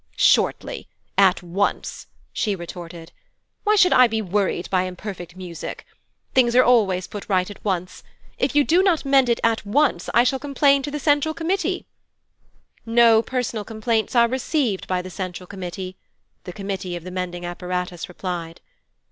'Shortly! At once!' she retorted. 'Why should I be worried by imperfect music? Things are always put right at once. If you do not mend it at once, I shall complain to the Central Committee.' 'No personal complaints are received by the Central Committee,' the Committee of the Mending Apparatus replied.